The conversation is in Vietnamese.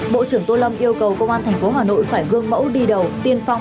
bộ trưởng tô lâm yêu cầu công an tp hà nội phải gương mẫu đi đầu tiên phong